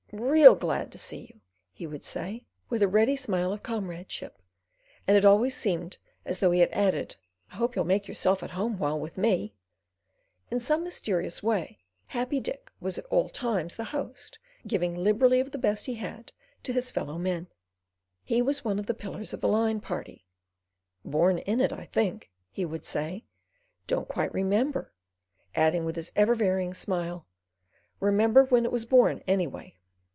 "Real glad to see you," he would say, with a ready smile of comradeship; and it always seemed as though he had added: "I hope you'll make yourself at home while with me." In some mysterious way, Happy Dick was at all times the host giving liberally of the best he had to his fellow men. He was one of the pillars of the Line Party. "Born in it, I think," he would say. "Don't quite remember," adding with his ever varying smile, "Remember when it was born, anyway."